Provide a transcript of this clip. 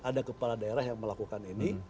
ada kepala daerah yang melakukan ini